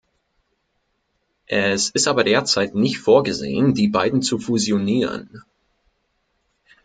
Es ist aber derzeit nicht vorgesehen, die beiden zu fusionieren.